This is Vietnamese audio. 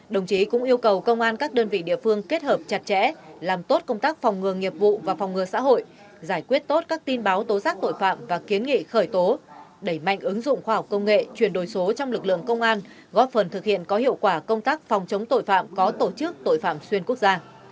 đồng chí cũng yêu cầu công an các đơn vị địa phương kết hợp chặt chẽ làm tốt công tác phòng ngừa nghiệp vụ và phòng ngừa xã hội giải quyết tốt các tin báo tố giác tội phạm và kiến nghị khởi tố đẩy mạnh ứng dụng khoa học công nghệ chuyển đổi số trong lực lượng công an góp phần thực hiện có hiệu quả công tác phòng chống tội phạm có tổ chức tội phạm xuyên quốc gia